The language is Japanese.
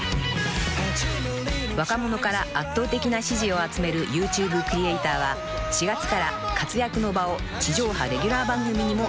［若者から圧倒的な支持を集めるＹｏｕＴｕｂｅクリエイターは４月から活躍の場を地上波レギュラー番組にも広げました］